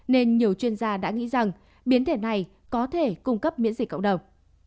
nên nhiều chuyên gia đã nghĩ rằng biến thể này có thể cung cấp miễn dịch cộng đồng